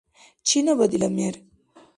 Чинаба дила мер?